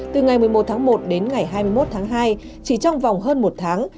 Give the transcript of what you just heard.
từ ngày một mươi một tháng một đến ngày hai mươi một tháng hai chỉ trong vòng hơn một tháng